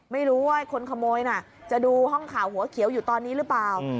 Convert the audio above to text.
ไม่รู้ว่าคนขโมยน่ะจะดูห้องข่าวหัวเขียวอยู่ตอนนี้หรือเปล่า